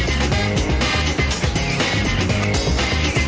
โอโหไทยแลนด์